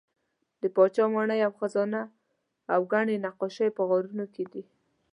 د پاچا ماڼۍ او خزانه او ګڼې نقاشۍ په غارونو کې دي.